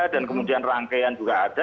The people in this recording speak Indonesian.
dan kemudian rangkaian juga ada